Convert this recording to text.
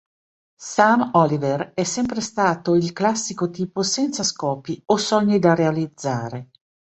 Sam Oliver è sempre stato il classico tipo senza scopi o sogni da realizzare.